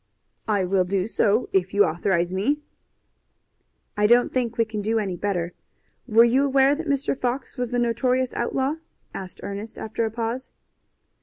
"I will do so, if you authorize me." "I don't think we can do any better. Were you aware that Mr. Fox was the notorious outlaw?" asked Ernest, after a pause.